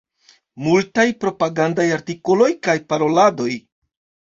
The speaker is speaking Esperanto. Multaj propagandaj artikoloj kaj paroladoj.